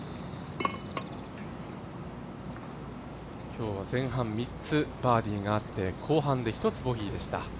今日は前半３つバーディーがあって後半で一つボギーでした。